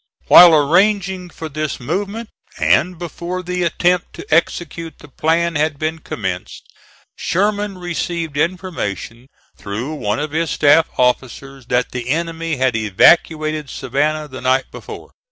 While arranging for this movement, and before the attempt to execute the plan had been commenced, Sherman received information through one of his staff officers that the enemy had evacuated Savannah the night before.